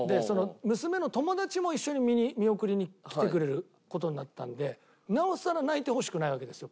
娘の友達も一緒に見送りに来てくれる事になったのでなおさら泣いてほしくないわけですよ